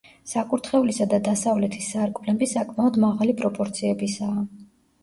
საკურთხევლისა და დასავლეთის სარკმლები საკმაოდ მაღალი პროპორციებისაა.